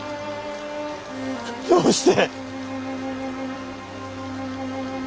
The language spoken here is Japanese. どうして。